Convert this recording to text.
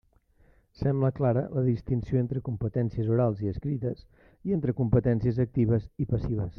Sembla clara la distinció entre competències orals i escrites i entre competències actives i passives.